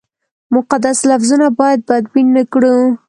مقدس لفظونه باید بدبین نه کړو.